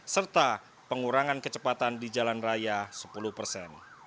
serta pengurangan kecepatan di jalan raya sepuluh persen